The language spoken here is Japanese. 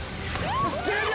１０秒。